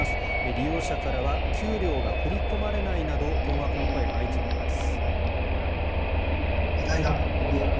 利用者からは給料が振り込まれないなど困惑の声が相次いでいます。